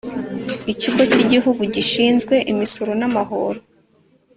ikigo cy'igihugu gishinzwe imisoro n'amahoro